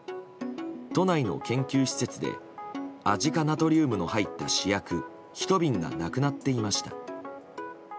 都内の研究施設でアジ化ナトリウムの入った試薬１瓶がなくなっていました。